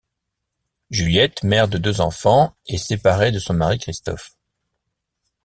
Juliette, mère de deux enfants est séparée de son mari Christophe.